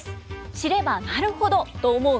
知ればなるほどと思う